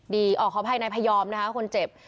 พี่อ๋อขออภัยนายพยอมอน์ค่ะคนเจ็บ